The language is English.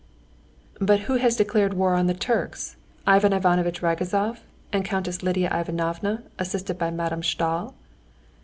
"But who has declared war on the Turks?—Ivan Ivanovitch Ragozov and Countess Lidia Ivanovna, assisted by Madame Stahl?"